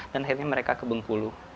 dan akhirnya mereka ke bengkulu